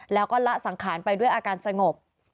แล้วก็ละสังขารไปด้วยอาการสงบ